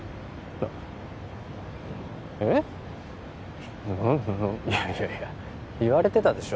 ちょっと何いやいやいや言われてたでしょ